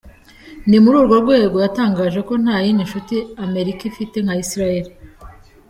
Ni muri urwo rwego yatangaje ko nta yindi nshuti Amerika ifite nka Isilaheri.